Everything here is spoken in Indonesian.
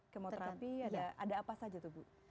kemoterapi ada apa saja tuh bu